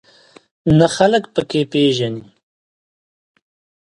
نه خلک په کې پېژنې.